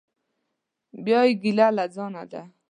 بیا یې ګیله له ځانه ده.